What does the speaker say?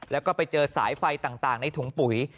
แล้วก็ไปเจอสายไฟต่างในถุงปุ๋ย